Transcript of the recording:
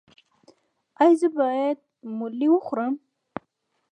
ایا زه باید ملی وخورم؟